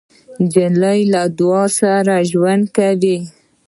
نجلۍ له دعا سره ژوند کوي.